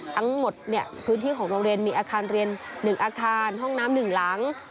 ทั้งหมดพื้นที่ของโรงเรียนมีอาคารเรียน๑อาคารห้องน้ำ๑หลัง